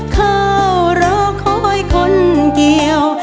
เข้ารอคอยคนเกี่ยว